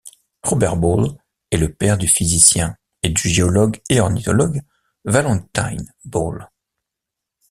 Robert Ball est le père du physicien et du géologue et ornithologue Valentine Ball.